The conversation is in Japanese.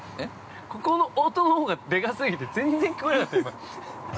ここの音のほうがでか過ぎて全然聞こえなかったよ。